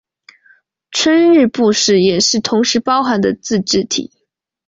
春日部市也是同时包含的自治体。